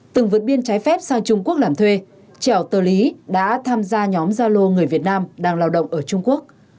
từng vượt biên trái phép sang trung quốc làm thuê trèo tờ lý đã tham gia nhóm gia lô người việt nam đang lao động ở trung quốc